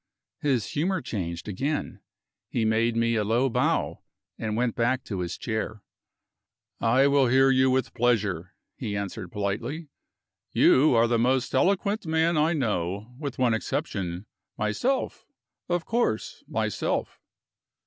His humor changed again; he made me a low bow, and went back to his chair. "I will hear you with pleasure," he answered politely. "You are the most eloquent man I know, with one exception myself. Of course myself."